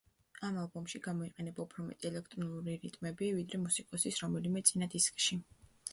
ამ ალბომში გამოიყენება უფრო მეტი ელექტრონული რიტმები, ვიდრე მუსიკოსის რომელიმე წინა დისკში.